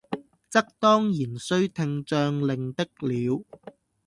則當然須聽將令的了，